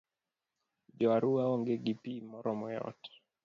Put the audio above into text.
Jo Arua onge gi pi moromo e ot.